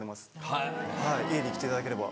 はい家に来ていただければ。